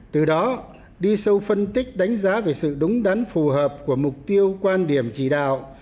từ đó đi sâu phân tích đánh giá về sự đúng đắn phù hợp của mục tiêu quan điểm chỉ đạo